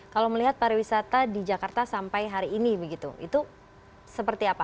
kalau melihat pariwisata di jakarta sampai hari ini begitu itu seperti apa